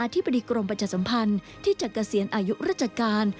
ธิบดีกรมประชาสัมพันธ์ที่จะเกษียณอายุราชการ